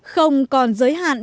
không còn giới hạn